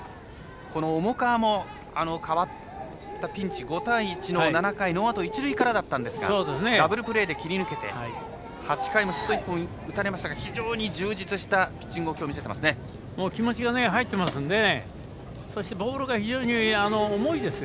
重川も代わったピンチ５対１の７回ノーアウト一塁からだったんですがダブルプレーで切り抜けて８回のヒット一本打たれましたが充実したピッチングを気持ちが入っていますね。